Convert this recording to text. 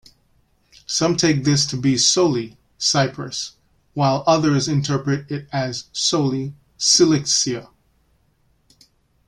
Some take this to be Soli, Cyprus, while others interpret it as Soli, Cilicia.